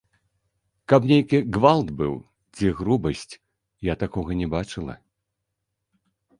Каб нейкі гвалт быў ці грубасць, я такога не бачыла.